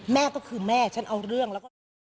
แม่ก็คือแม่ฉันเอาเรื่องแล้วก็ทำ